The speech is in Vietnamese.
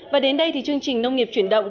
và đến đây thì chương trình nông nghiệp chuyển động